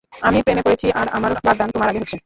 আমি প্রেমে পড়েছি আর আমার বাগদান তোমার আগে হচ্ছে।